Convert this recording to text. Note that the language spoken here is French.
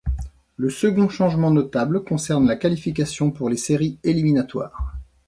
Le second changement notable concerne la qualification pour les séries éliminatoires.